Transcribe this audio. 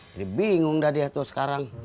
jadi bingung dah dia tuh sekarang